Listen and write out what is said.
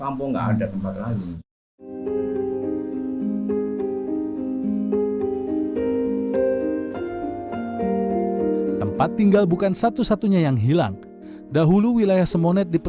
ada beberapa saja nggak semuanya